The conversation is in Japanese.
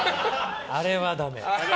あれはダメ。